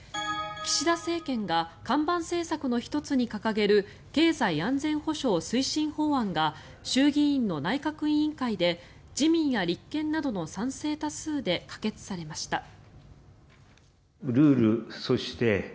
岸田政権が看板政策の１つに掲げる経済安全保障推進法案が衆議院の内閣委員会で自民や立憲などの賛成多数で可決されました。